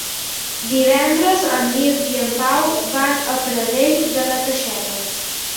Divendres en Mirt i en Pau van a Pradell de la Teixeta.